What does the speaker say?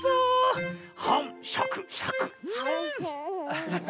アハハ。